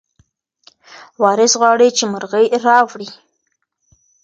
وارث غواړي چې مرغۍ راوړي.